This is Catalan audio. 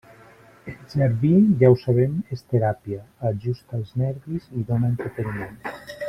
El jardí, ja ho sabem, és teràpia, ajusta els nervis i dóna entreteniment.